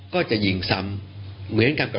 ว่าต้องเทียบเคียงกับเหตุการณ์นี้ด้วยเดี๋ยวลองฟังดูค่ะ